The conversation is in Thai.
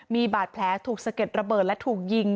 มีบาดแผลถูกสะเก็ดระเบิดและถูกยิง